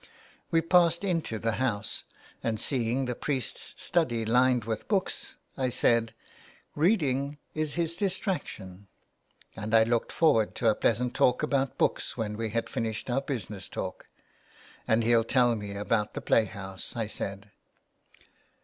We passed into the house and, seeing the priest's study lined with books, I said, "read ing is his distraction," and I looked forward to a pleasant talk about books when we had finished our business talk ;" and he'll tell me about the play house,'' I said.